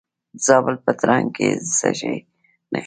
د زابل په ترنک کې د څه شي نښې دي؟